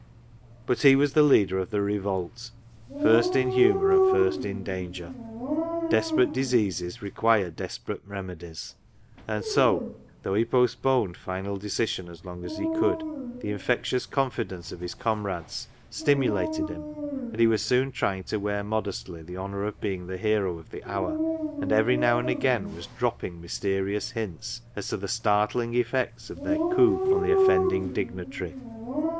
But he was the leader of the revolt — first in honour and first in danger. Desperate diseases require desperate remedies ; and so, though he postponed final decision as long as he could, the infectious confidence of his comrades stimu lated him, and he was soon trying to wear modestly the honour of being the hero of the hour, and every now and again was dropping mysterious hints as to the startling effects of their coup on the offending dignitary.